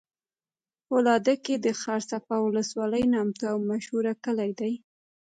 فولادګی د ښارصفا ولسوالی نامتو او مشهوره کلي دی